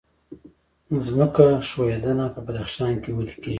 ځمکې ښویدنه په بدخشان کې ولې کیږي؟